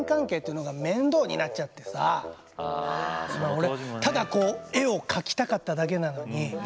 簡単に言うと俺ただこう絵を描きたかっただけなのに。